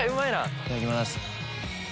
いただきます。